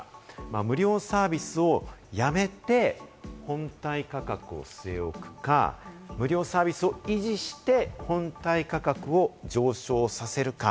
無料サービスをやめて、本体価格を据え置くか、無料サービスを維持して本体価格を上昇させるか。